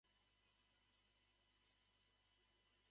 共同作業だね、がんばろーよ